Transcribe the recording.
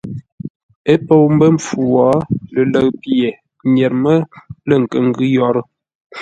Ə́ pou mbə́ mpfu wo, lələʉ pye nyer mə́ lə̂ nkə́ ngʉ́ yórə́.